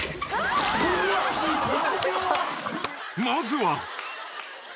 ［まずは］